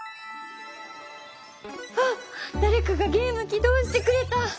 あっだれかがゲーム起動してくれた！